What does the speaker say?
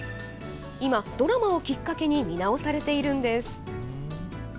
今ドラマをきっかけに見直されているんです。